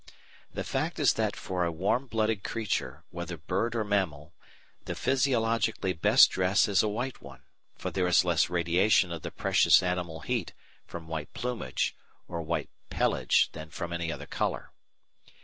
The fact is that for a warm blooded creature, whether bird or mammal, the physiologically best dress is a white one, for there is less radiation of the precious animal heat from white plumage or white pelage than from any other colour.